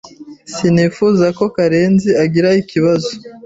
Sinifuzaga ko Karenzi agira ibibazo.